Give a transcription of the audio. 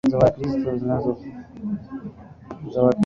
za Wakristo kati ya watu wote zimebaki thelathini na tatu yaani mmoja